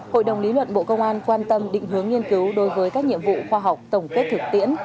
hội đồng lý luận bộ công an quan tâm định hướng nghiên cứu đối với các nhiệm vụ khoa học tổng kết thực tiễn